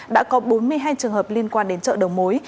đã có bốn mươi hai trường hợp liên quan đến chợ đầu mối